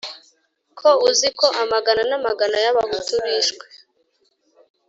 Kuba uzi ko amagana n'amagana y'Abahutu bishwe